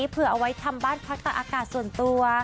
เผื่อเอาไว้ทำบ้านพักตะอากาศส่วนตัว